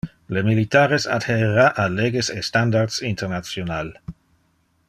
Le militares adherera a leges e standardos international.